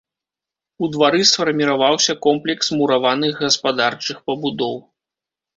У двары сфарміраваўся комплекс мураваных гаспадарчых пабудоў.